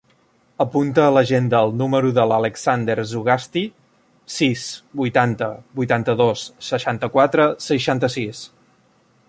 Apunta a l'agenda el número de l'Alexander Zugasti: sis, vuitanta, vuitanta-dos, seixanta-quatre, seixanta-sis.